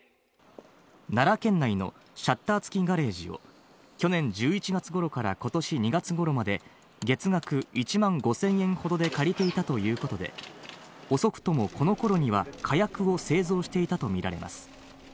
奈良県内のシャッター付きガレージを去年１１月頃から今年２月頃まで月額１万５０００円ほどで借りていたということで、遅くとも、この頃には火薬を製造していたとみられます。